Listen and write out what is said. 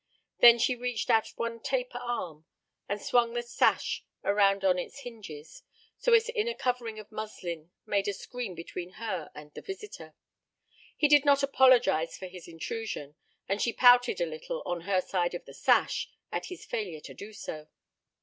Then she reached out one taper arm, and swung the sash around on its hinges, so its inner covering of muslin made a screen between her and the visitor. He did not apologize for his intrusion, and she pouted a little on her safe side of the sash, at his failure to do so.